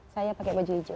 saya pakai baju hijau